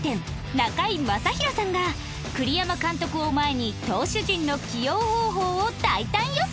中居正広さんが栗山監督を前に投手陣の起用方法を大胆予想！